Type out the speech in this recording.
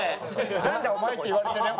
「なんだお前！」って言われてるよ。